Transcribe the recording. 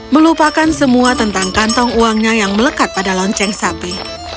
melupakan semua tentang kantong uangnya yang melekat pada lonceng sapi